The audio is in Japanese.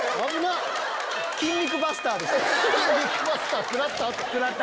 キン肉バスターでした。